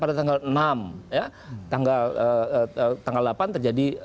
pada tanggal enam ya tanggal delapan terjadi